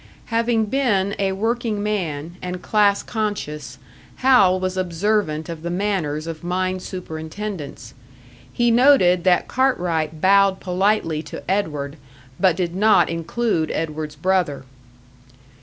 Having been a working man, and class conscious, Hal was observant of the manners of mine superintendents; he noted that Cartwright bowed politely to Edward, but did not include Edward's brother.